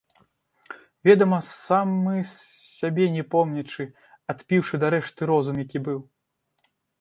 Ведама, самы сябе не помнячы, адпіўшы дарэшты розум, які быў.